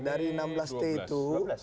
dari enam belas t itu